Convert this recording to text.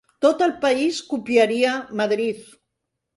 Tot el país copiaria Madriz.